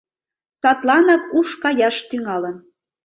Садланак уш каяш тӱҥалын.